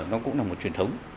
nó cũng là một truyền thống